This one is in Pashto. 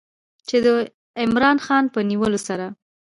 چې د عمران خان په نیولو سره